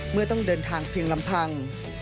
เมื่อต้องเดินทางเพียงลำพัง